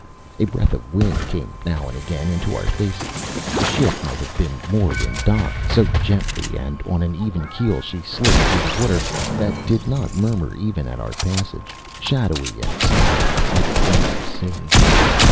A breath of wind came now and again into our faces. The ship might have been moored in dock, so gently and on an even keel she slipped through the water, that did not murmur even at our passage, shadowy and silent like a phantom sea.